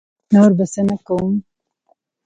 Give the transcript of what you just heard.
نور به څه نه کووم.